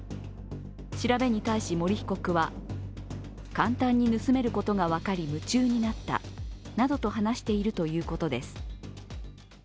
調べに対し森被告は、簡単に盗めることが分かり夢中になったなどと話しているということです。